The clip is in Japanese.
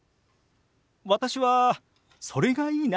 私はそれがいいな。